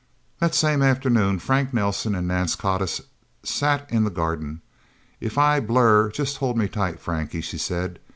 That same afternoon, Frank Nelsen and Nance Codiss sat in the garden. "If I blur, just hold me tight, Frankie," she said.